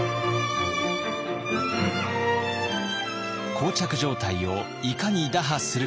膠着状態をいかに打破するか。